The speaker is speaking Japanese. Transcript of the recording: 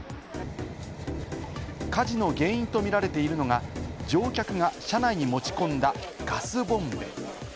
火事の原因と見られているのが、乗客が車内に持ち込んだガスボンベ。